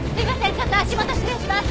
ちょっと足元失礼します。